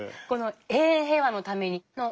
この「永遠平和のために」。